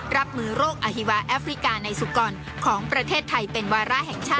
รับมือโรคอฮิวาแอฟริกาในสุกรของประเทศไทยเป็นวาระแห่งชาติ